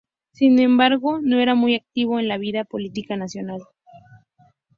Sin embargo, no era muy activo en la vida política nacional.